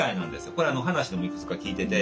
これ話でもいくつか聞いてて。